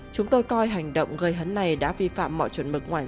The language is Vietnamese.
chúng tôi coi hành động gây hấn này đã vi phạm mọi chuẩn mực ngoài